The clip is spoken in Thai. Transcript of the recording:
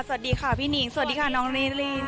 สวัสดีค่ะพี่นิงสวัสดีค่ะน้องนิรินสวัสดีค่ะค่ะ